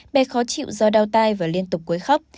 bé khó chịu do đau tai và liên tục quấy khóc